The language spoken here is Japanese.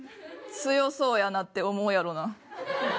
強そうやなって思うやろな。